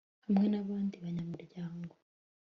hamwe n'abandi banyamuryango